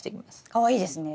かわいいですね。